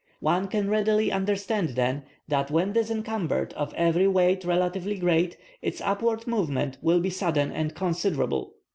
One can readily understand, then, that when disencumbered of every weight relatively great, its upward movement will be sudden and considerable.